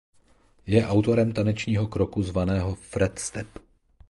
Je autorem tanečního kroku zvaného „Fred step“.